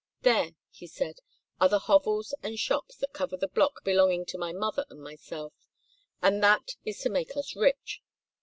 "There," he said, "are the hovels and shops that cover the block belonging to my mother and myself, and that is to make us rich.